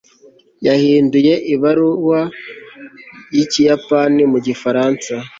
yahinduye ibaruwa y'ikiyapani mu gifaransa